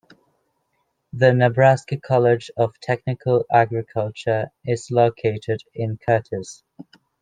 The Nebraska College of Technical Agriculture is located in Curtis.